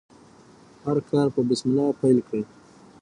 هر کار په بسم الله پیل کړئ.